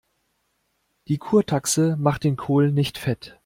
Die Kurtaxe macht den Kohl nicht fett.